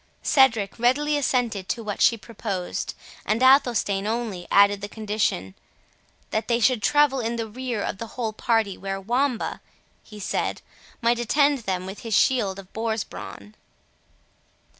Cedric readily assented to what she proposed, and Athelstane only added the condition, "that they should travel in the rear of the whole party, where Wamba," he said, "might attend them with his shield of boar's brawn."